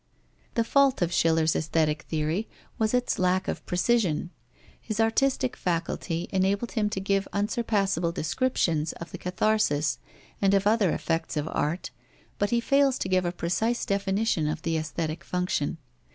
The fault of Schiller's aesthetic theory was its lack of precision. His artistic faculty enabled him to give unsurpassable descriptions of the catharsis and of other effects of art, but he fails to give a precise definition of the aesthetic function.